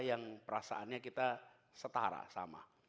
yang perasaannya kita setara sama